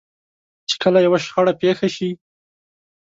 چې کله يوه شخړه پېښه شي.